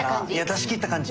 出し切った感じ。